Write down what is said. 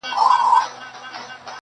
ورته راغله د برکلي د ښکاریانو-